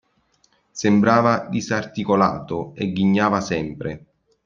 Sembrava disarticolato e ghignava sempre.